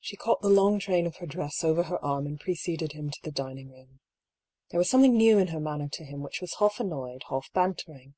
She caught the long train of her dress over her arm and preceded him to the dining room. There was something new in her manner to him which was half annoyed, half bantering.